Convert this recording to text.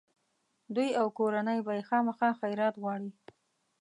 دوی او کورنۍ به یې خامخا خیرات غواړي.